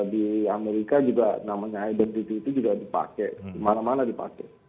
di amerika juga namanya identitas itu juga dipakai dimana mana dipakai